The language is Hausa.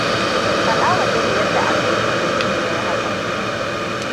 faɗawa Jami yadda aka yi kasan shi ya yi hakan.